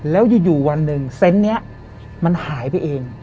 แล้วอยู่วันหนึ่งเซนต์นี้มันหายไปเอง